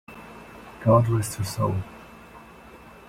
God rest her soul!